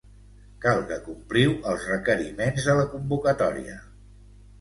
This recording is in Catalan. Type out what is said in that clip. Cal que compliu els requeriments de la convocatòria.